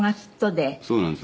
「そうなんですよ。